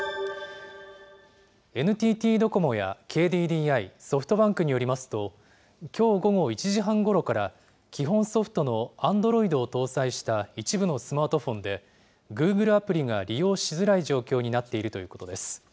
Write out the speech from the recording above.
ＮＴＴドコモやＫＤＤＩ、ソフトバンクによりますと、きょう午後１時半ごろから、基本ソフトのアンドロイドを搭載した一部のスマートフォンで、グーグルアプリが利用しづらい状況になっているということです。